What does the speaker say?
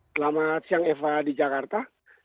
selamat siang eva di jakarta